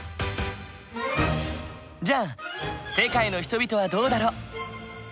じゃあ世界の人々はどうだろう？